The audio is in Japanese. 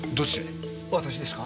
私ですか？